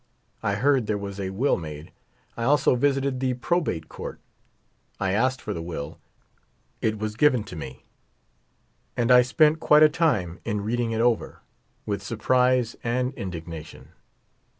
I heard there was a will made. I also visited the Probate Court. I asked for the will ; it was given to me ; and I spent quite a time in reading it over, with surprise and indignation.